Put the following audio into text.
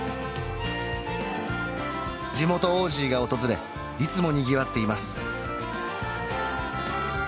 地元オージーが訪れいつもにぎわっています